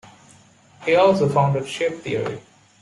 He also founded Shape theory.